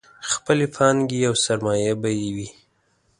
خپلې پانګې او سرمایې به یې وې.